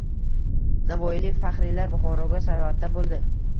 Navoiylik faxriylar Buxoroga sayohatdabo‘ldi